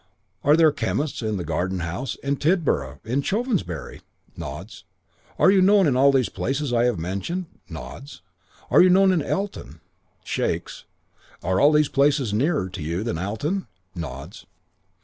"'Are there chemists in the Garden House, in Tidborough, in Chovensbury?' "Nods. "'Are you known in all these places I have mentioned?' "Nods. "'Are you known in Alton?' "Shakes. "'Are all these places nearer to you than Alton?' "Nods.